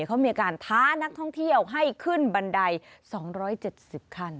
เขามีการท้านักท่องเที่ยวให้ขึ้นบันได๒๗๐คัน